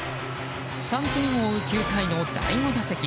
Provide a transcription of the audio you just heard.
３点を追う９回の第５打席。